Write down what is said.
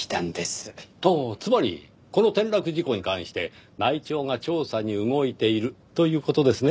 ほうつまりこの転落事故に関して内調が調査に動いているという事ですね？